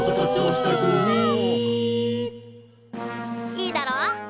いいだろ？